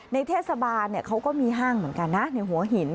ในเทศบาลเขาก็มีห้างเหมือนกันนะในหัวหิน